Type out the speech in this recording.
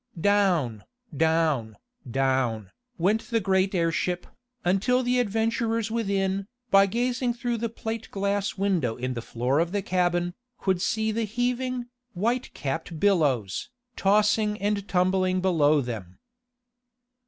Down, down, down, went the great airship, until the adventurers within, by gazing through the plate glass window in the floor of the cabin, could see the heaving, white capped billows, tossing and tumbling below them.